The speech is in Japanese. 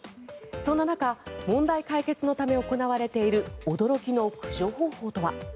そんな中問題解決のため行われている驚きの駆除方法とは。